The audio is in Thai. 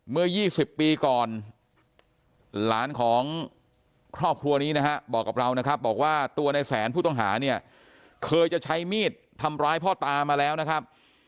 เมื่อ๒๐ปีก่อนหลานของครอบครัวนี้นะฮะบอกกับเรานะครับบอกว่าตัวในแสนผู้ต้องหาเนี่ยเคยจะใช้มีดทำร้ายพ่อตามาแล้วนะครับ